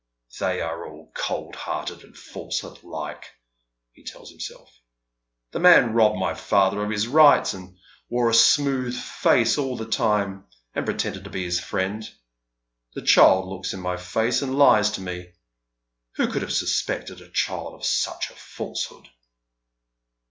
" They are all cold hearted and false alike," he tells himself. " The man robbed my father of his rights, and wore a smooth face all the time, and pretended to be his friend. The child looks in my face and lies to me. Who could have suspected a child of such a falsehood